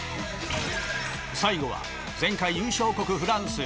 最後は、前回優勝国フランス。